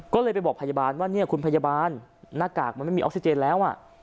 ก็เลยไปบอกพยาบาลว่าเนี่ยคุณพยาบาลหน้ากากมันไม่มีออกซิเจนแล้ว